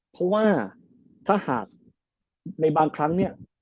เพราะว่าถ้าหากในบางครั้ง